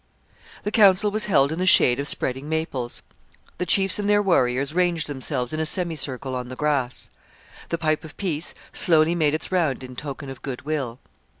The council was held in the shade of spreading maples. The chiefs and their warriors ranged themselves in a semicircle on the grass. The pipe of peace slowly made its round in token of goodwill.